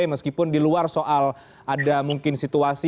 meskipun di luar soal ada mungkin situasi